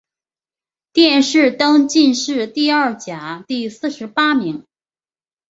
殿试登进士第二甲第四十八名。